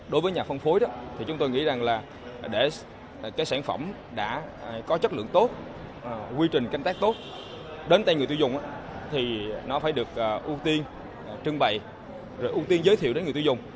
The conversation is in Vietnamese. đối với nhà phân phối đó thì chúng tôi nghĩ rằng là để cái sản phẩm đã có chất lượng tốt quy trình canh tác tốt đến tay người tiêu dùng thì nó phải được ưu tiên trưng bày ưu tiên giới thiệu đến người tiêu dùng